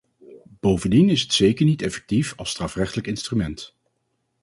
Bovendien is het zeker niet effectief als strafrechtelijk instrument.